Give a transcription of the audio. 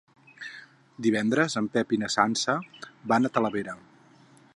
Divendres en Pep i na Sança van a Talavera.